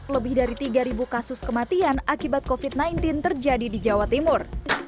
lebih dari tiga kasus kematian akibat covid sembilan belas terjadi di jawa timur